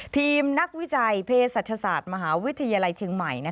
ทีมนักวิจัยเพศศาสตร์มหาวิทยาลัยเชียงใหม่